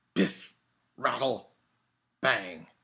Biff! Rattle! Bang!